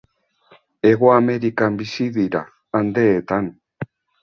Hego Amerikan bizi dira, Andeetan.